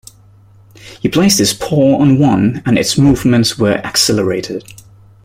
He placed his paw on one, and its movements were accelerated.